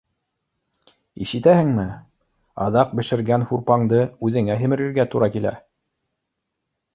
Ишетәһеңме? Аҙаҡ бешергән һурпаңды үҙеңә һемерергә тура килә